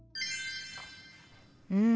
うん。